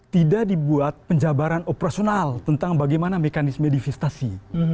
tidak dibuat penjabaran operasional tentang bagaimana mekanisme divestasi